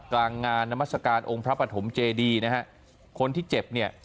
กลางงานนามัศกาลองค์พระปฐมเจดีนะฮะคนที่เจ็บเนี่ย